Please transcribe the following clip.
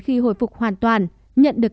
khi hồi phục hoàn toàn nhận được